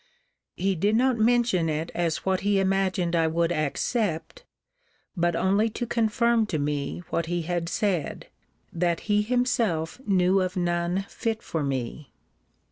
He did not mention it as what he imagined I would accept, but only to confirm to me what he had said, that he himself knew of none fit for me.